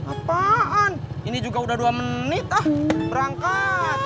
apaan ini juga udah dua menit berangkat